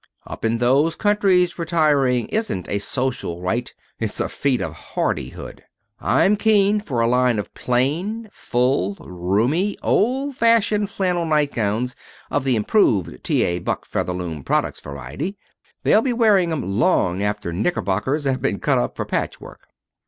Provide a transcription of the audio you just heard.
Up in those countries retiring isn't a social rite: it's a feat of hardihood. I'm keen for a line of plain, full, roomy old fashioned flannel nightgowns of the improved T. A. Buck Featherloom products variety. They'll be wearing 'em long after knickerbockers have been cut up for patchwork."